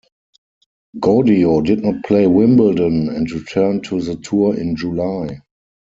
Gaudio did not play Wimbledon and returned to the tour in July.